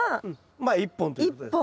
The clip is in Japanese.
まあ１本ということです。